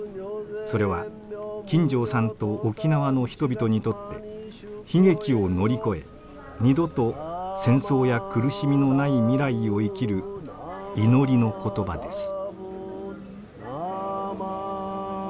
それは金城さんと沖縄の人々にとって悲劇を乗り越え二度と戦争や苦しみのない未来を生きる祈りの言葉です。